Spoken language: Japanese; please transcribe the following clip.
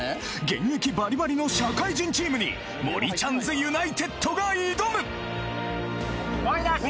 現役バリバリの社会人チームにもりちゃんずユナイテッドが挑む！